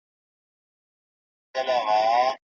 هغه د حق د ادا کولو امر وکړ.